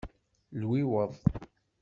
Lwiweḍ.